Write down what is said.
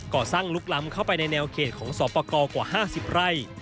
สร้างลุกล้ำเข้าไปในแนวเขตของสอบประกอบกว่า๕๐ไร่